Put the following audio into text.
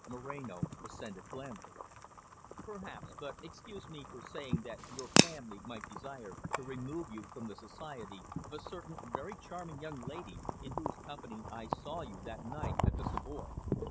Moreno assented blandly. "Perhaps, but excuse me for saying that your family might desire to remove you from the society of a certain very charming young lady, in whose company I saw you that night at the Savoy."